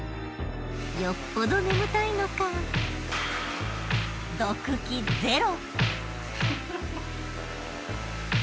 よっぽど眠たいのかどく気ゼロ。